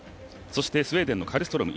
そしてスウェーデンのカルストローム。